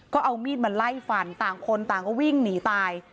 ก็เอามีดมาไล่ฟันต่างคนต่างก็วิ่งหนีตาย